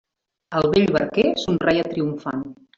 El vell barquer somreia triomfant.